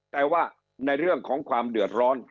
แต่ว่าในเรื่องของความเดือดร้อน